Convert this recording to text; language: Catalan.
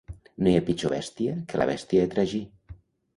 No hi ha pitjor bèstia que la bèstia de tragí.